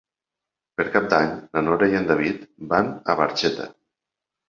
Per Cap d'Any na Nora i en David van a Barxeta.